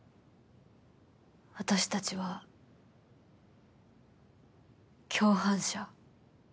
私たちは共犯者。